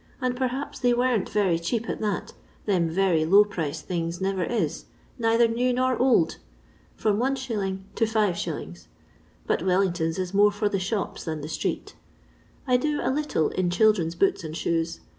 and perhaps they weren't very cheap at that, them very low priced things never is, neither new nor old — from 1*. to 5*. ; but Wellingtons is more for the shops than the street. I do a little in children's boots and shoes.